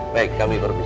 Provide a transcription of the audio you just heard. baik kami permisi